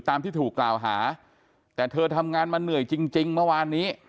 ตามที่ถูกกล่าวหาแต่เธอทำงานมาเหนื่อยจริงจริงเมื่อวานนี้